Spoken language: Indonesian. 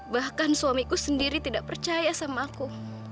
bahkan suamiku sendiri tidak percaya sama aku